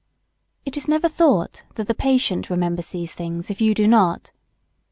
] It is never thought that the patient remembers these things if you do not.